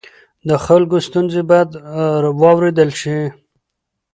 د خلکو ستونزې باید واورېدل شي.